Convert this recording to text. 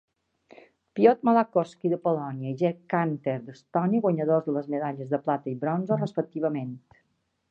Piotr Malachowski, de Polònia, i Gerd Kanter, d'Estònia, guanyadors de les medalles de plata i bronzo, respectivament.